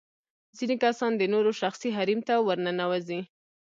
ځينې کسان د نورو شخصي حريم ته ورننوزي.